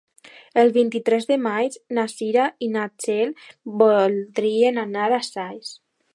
El vint-i-tres de maig na Cira i na Txell voldrien anar a Saix.